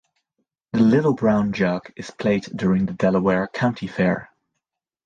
The Little Brown Jug is played during the Delaware county fair.